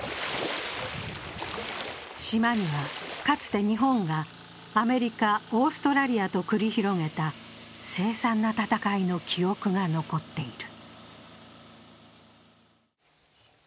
島には、かつて日本がアメリカ・オーストラリアと繰り広げた凄惨な戦いの記憶が残っている。